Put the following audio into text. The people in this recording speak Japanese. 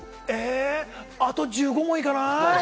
あと１５問いかない？え？